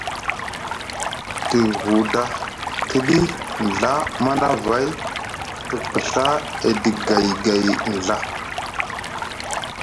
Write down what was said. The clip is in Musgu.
Te huda tiɗi nɵa Manavay te kɵa edi gaygay nɵa.